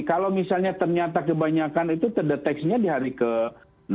kalau misalnya ternyata kebanyakan itu terdeteksinya di hari ke enam